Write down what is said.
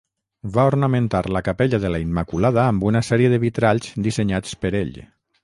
Va ornamentar la capella de La Immaculada amb una sèrie de vitralls dissenyats per ell.